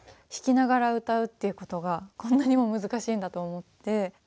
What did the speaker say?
弾きながら歌うっていうことがこんなにも難しいんだと思って。